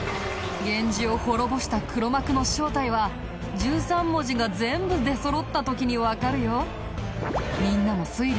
源氏を滅ぼした黒幕の正体は１３文字が全部出そろった時にわかるよ。